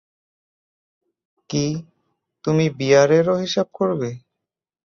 কি, তুমি বিয়ারেরও হিসাব করবে?